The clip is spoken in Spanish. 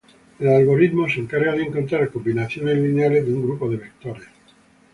El algoritmo se encarga de encontrar combinaciones lineales de un grupo de vectores